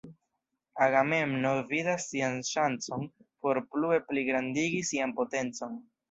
Agamemno vidas sian ŝancon por plue pligrandigi sian potencon.